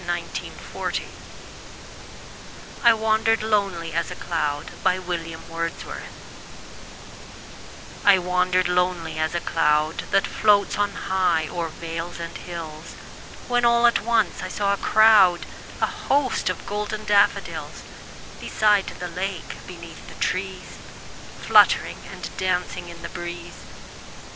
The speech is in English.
William Wordsworth I Wandered Lonely As a Cloud I WANDERED lonely as a cloud That floats on high o'er vales and hills, When all at once I saw a crowd, A host, of golden daffodils; Beside the lake, beneath the trees, Fluttering and dancing in the breeze.